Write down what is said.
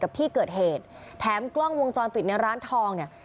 กับที่เกิดเหตุแถมกล้องวงจรปิดในร้านทองเนี่ย